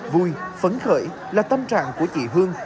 vui phấn khởi là tâm trạng của chị hương